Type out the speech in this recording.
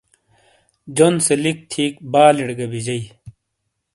جون سے لِک تھِئیک بالِیڑے گہ بِیجئیی۔